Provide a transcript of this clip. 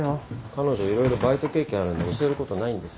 彼女色々バイト経験あるんで教えることないんですよ。